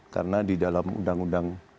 karena di dalam undang undang